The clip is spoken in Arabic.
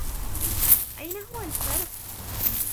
أين هو الفرق؟